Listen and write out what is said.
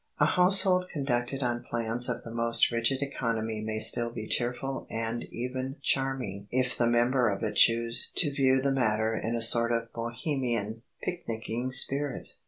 A household conducted on plans of the most rigid economy may still be cheerful and even charming if the members of it choose to view the matter in a sort of Bohemian, picnicking spirit.